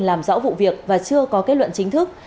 làm rõ vụ việc và chưa có kết luận chính thức